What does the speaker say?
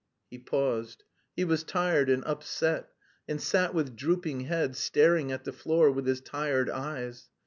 He paused. He was tired and upset, and sat with drooping head, staring at the floor with his tired eyes.